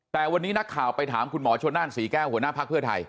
แต่วันนี้นักข่าวไปถามคุณหมอชนนั่นศรีแก้วหัวหน้าภักดิ์เพื่อไทย